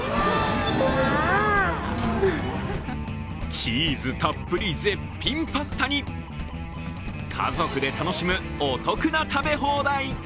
チーズたっぷり、絶品パスタに家族で楽しむお得な食べ放題。